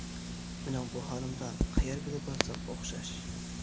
مېنىڭ بۇ ھالىمدا قەيەرگىلا بارسام ئوخشاش.